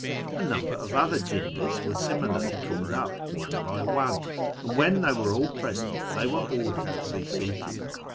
A number of other jinnis were similarly called up, one by one, and when they were all present they were ordered to be seated.